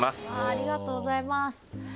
ありがとうございます。